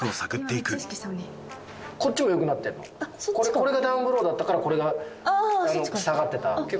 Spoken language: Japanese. これがダウンブローだったからこれが下がってた。